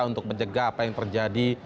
untuk mencegah apa yang terjadi